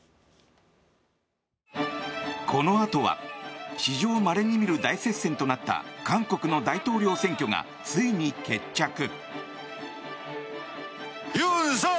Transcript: このあとは史上まれに見る大接戦となった韓国の大統領選挙がついに決着。